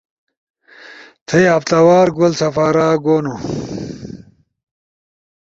تھئی ہفتہ وار گول سپارا گونو